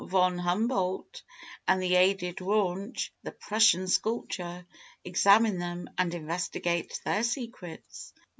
von Humboldt and the aged Rauch, the Prussian sculptor, examine them, and investigate their secrets.